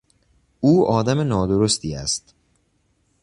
او آدم نادرستی است.